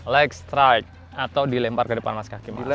like strike atau dilempar ke depan mas kaki